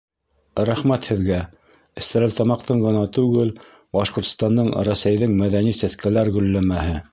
Рәхмәт һеҙгә, Стәрлетамаҡтың ғына түгел, Башҡортостандың, Рәсәйҙең мәҙәни сәскәләр гөлләмәһе!